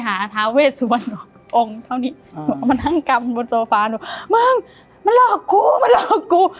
หลอกกูมึงมันหลอกกู